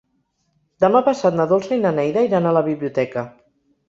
Demà passat na Dolça i na Neida iran a la biblioteca.